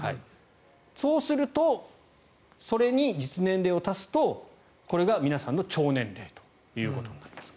そうするとそれに実年齢を足すとこれが皆さんの腸年齢ということです。